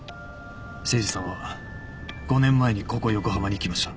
誠司さんは５年前にここ横浜に来ました。